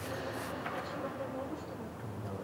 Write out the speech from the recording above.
Таче марте мом ыштыме?